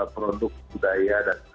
produk budaya dan